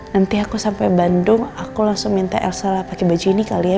nanti aku sampai bandung aku langsung minta elsa lah pakai baju ini kali ya